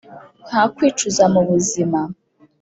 nta kwicuza mubuzima,